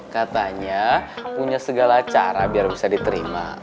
katanya punya segala cara biar bisa diterima